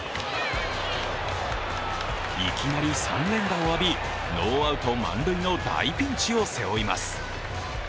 いきなり３連打を浴び、ノーアウト満塁の大ピンチを背負います。